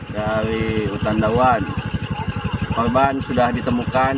dan dihubungi dengan pendaratan terjun payung